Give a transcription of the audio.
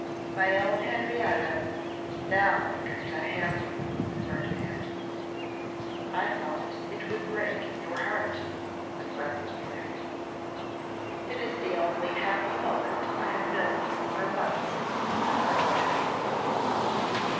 'My own Henrietta! Now I could die happy,' said Ferdinand. 'I thought it would break your heart,' said Glastonbury. 'It is the only happy moment I have known for months,' said Ferdinand.